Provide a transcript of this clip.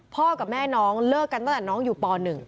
กับแม่น้องเลิกกันตั้งแต่น้องอยู่ป๑